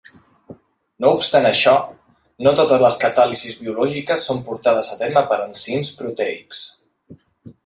No obstant això, no totes les catàlisis biològiques són portades a terme per enzims proteics.